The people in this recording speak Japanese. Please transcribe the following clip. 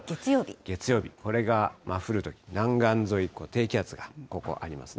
月曜日、これが降るとき、南岸沿い、低気圧が、ここありますね。